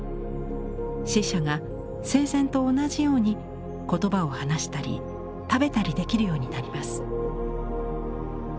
死者が生前と同じように言葉を話したり食べたりできるようになります。